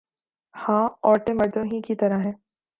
ہاں عورتیں مردوں ہی کی طرح ہیں